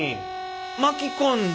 巻き込んだ